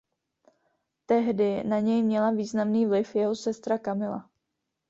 Tehdy na něj měla významný vliv jeho sestra Camilla.